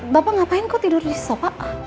bapak ngapain kok tidur di sofa